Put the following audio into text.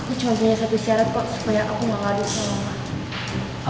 aku cuma punya satu syarat kok supaya aku gak ngaduk sama mama